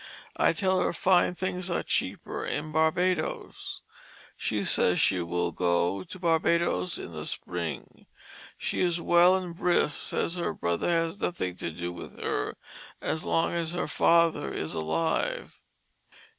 I tell her fine things are cheaper in Barbadoes. She says she will go to Barbados in the Spring. She is well and brisk, says her Brother has nothing to do with her as long as her father is alive."